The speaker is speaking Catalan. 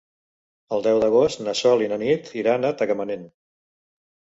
El deu d'agost na Sol i na Nit iran a Tagamanent.